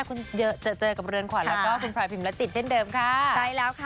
คุณเยอะจะเจอกับเรือนขวัญแล้วก็คุณพลอยพิมรจิตเช่นเดิมค่ะใช่แล้วค่ะ